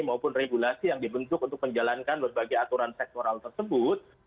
maupun regulasi yang dibentuk untuk menjalankan berbagai aturan sektoral tersebut